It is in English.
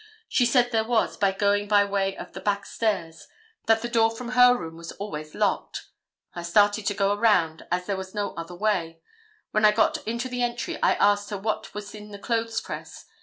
She said there was, by going by way of the back stairs; that the door from her room was always locked. I started to go around, as there was no other way. When I got into the entry I asked her what was in the clothes press.